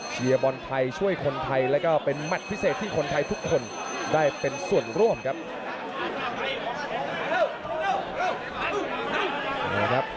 บอลไทยช่วยคนไทยแล้วก็เป็นแมทพิเศษที่คนไทยทุกคนได้เป็นส่วนร่วมครับ